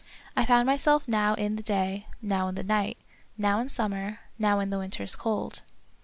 I found myself now in the day, now in the night ; now in summer, now in the winter's cold.